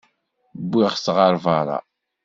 Wwiɣ-t ɣer berra.